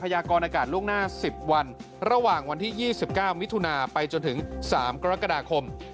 ยากรอากาศล่วงหน้า๑๐วันระหว่างวันที่๒๙มิถุนาไปจนถึง๓กรกฎาคม